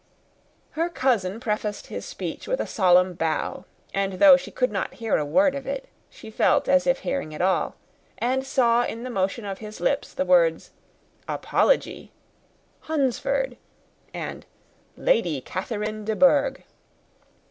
Her cousin prefaced his speech with a solemn bow, and though she could not hear a word of it, she felt as if hearing it all, and saw in the motion of his lips the words "apology," "Hunsford," and "Lady Catherine de Bourgh."